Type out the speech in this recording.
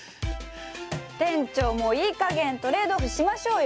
店長もいいかげんトレード・オフしましょうよ！